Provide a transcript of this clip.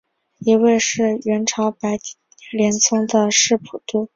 一位是元朝白莲宗的释普度。